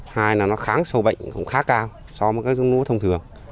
hai là nó kháng sâu bệnh cũng khá cao so với các giống lúa thông thường